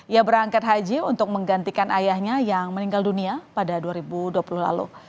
ia berangkat haji untuk menggantikan ayahnya yang meninggal dunia pada dua ribu dua puluh lalu